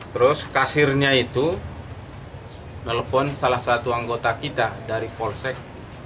terus kasirnya itu nelfon salah satu anggota kita dari polsek